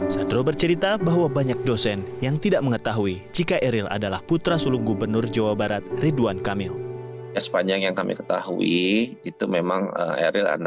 sadro bercerita bahwa banyak dosen yang tidak mengetahui jika eril adalah putra sulung gubernur jawa barat ridwan kamil